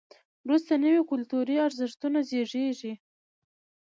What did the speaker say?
وروسته نوي کلتوري ارزښتونه زیږېږي.